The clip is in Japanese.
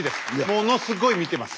ものすごい見てます。